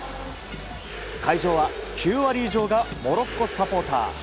会場は９割以上がモロッコサポーター。